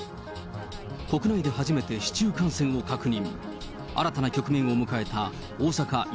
国内で初めて市中感染を確認。